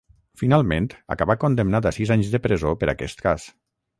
Finalment, acabà condemnat a sis anys de presó per aquest cas.